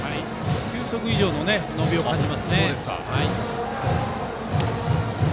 球速以上の伸びを感じますね。